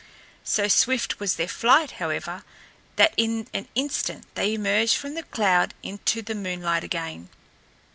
So swift was their flight, however, that in an instant they emerged from the cloud into the moonlight again.